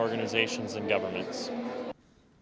organisasi komunitas dan pemerintah